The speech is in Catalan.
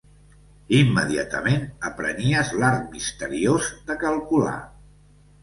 Immediatament aprenies l'art misteriós de calcular